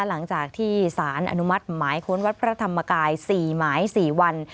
หลังจากที่สานอนุมัติหมายควรวัฒนธรรมกายสี่หมายสี่วัน